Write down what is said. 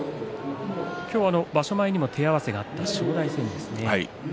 場所前にも手合わせがあった今日は正代戦ですね。